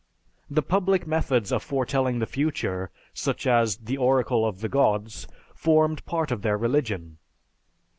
The public methods of foretelling the future, such as the oracle of the gods, formed part of their religion.